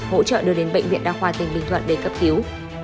hỗ trợ đưa đến bệnh viện đa khoa tỉnh bình thuận để cấp cứu